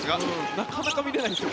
なかなか見れないですよ